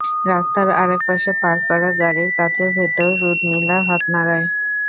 রাস্তার আরেক পাশে পার্ক করা গাড়ির কাচের ভেতর রুদমিলা হাত নাড়ায়।